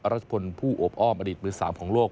รัชพลผู้โอบอ้อมอดีตมือ๓ของโลก